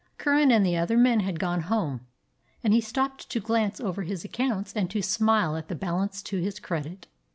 Curran and the other men had gone home, and he stopped to glance over his accounts and to smile at the balance to his credit.